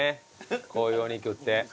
こういうお肉って。